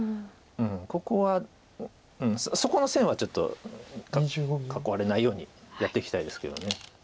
ここはそこの線はちょっと囲われないようにやっていきたいですけど。